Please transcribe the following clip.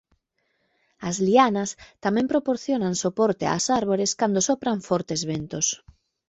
As lianas tamén proporcionan soporte ás árbores cando sopran fortes ventos.